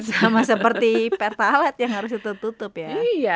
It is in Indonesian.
sama seperti pertalat yang harus tertutup ya